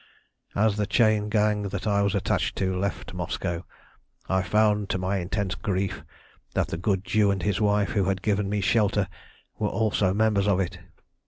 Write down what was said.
"As the chain gang that I was attached to left Moscow, I found to my intense grief that the good Jew and his wife who had given me shelter were also members of it.